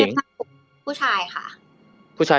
หน้าตอนนี้นะในสีโบราณ